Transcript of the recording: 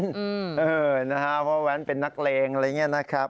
เพราะแว้นเป็นนักเลงอะไรอย่างนี้นะครับ